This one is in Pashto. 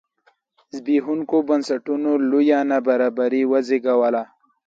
زبېښوونکو بنسټونو لویه نابرابري وزېږوله.